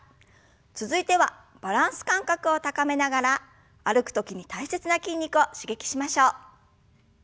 続いてはバランス感覚を高めながら歩く時に大切な筋肉を刺激しましょう。